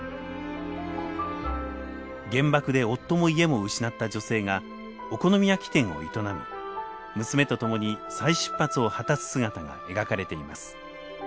原爆で夫も家も失った女性がお好み焼き店を営み娘と共に再出発を果たす姿が描かれています。